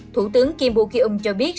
thủ tướng kim buk yong cho biết